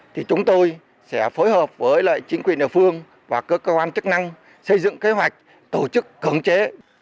thì chúng tôi sẽ phối hợp với lại chính quyền địa phương và cơ quan chức năng xây dựng kế hoạch tổ chức cưỡng chế